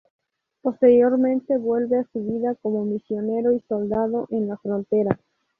Posteriormente, vuelve a su vida como misionero y soldado en la frontera.